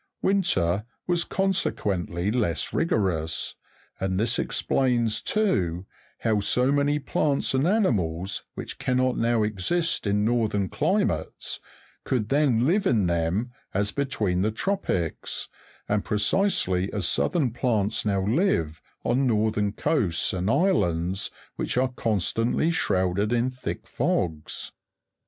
Winter was consequently less rigorous ; and this ex plains, too, how so many plants and animals, which cannot now exist in northern climates, could then live in them as between the tropics, and pre cisely as southern plants now live on northern coasts and islands which are constantly shrouded in thick fogs.